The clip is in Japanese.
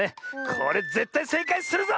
これぜったいせいかいするぞ！